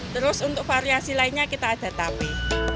terus untuk variasi lainnya kita ada tapi